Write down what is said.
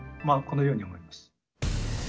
まあこのように思います。